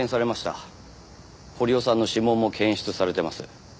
堀尾さんの指紋も検出されてます。